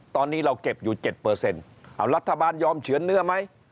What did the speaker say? ตอนนี้เราเก็บอยู่๗รัฐบาลยอมเฉือนเนื้อไหม